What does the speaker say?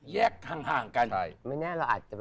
แย่ก